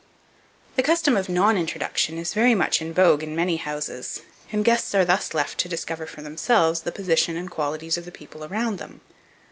The custom of non introduction is very much in vogue in many houses, and guests are thus left to discover for themselves the position and qualities of the people around them.